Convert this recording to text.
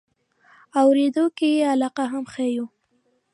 اورېدو کې یې علاقه هم ښیو.